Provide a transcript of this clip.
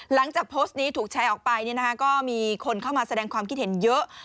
หลังจากโพสต์นี้ถูกแชร์ออกไปก็มีคนเข้ามาแสดงความคิดเห็นเยอะ